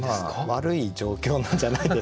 悪い状況なんじゃないですか？